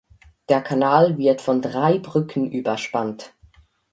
Der Kanal wird von drei Brücken überspannt.